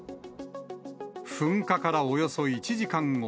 噴火からおよそ１時間後。